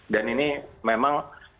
dan ini memang